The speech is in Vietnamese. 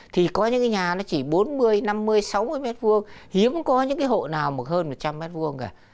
thì có những cái nhà nó chỉ bốn mươi năm mươi sáu mươi mét vuông hiếm có những cái hộ nào mà hơn một trăm linh mét vuông cả